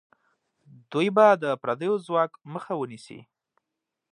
دوی به د پردیو ځواک مخه ونیسي.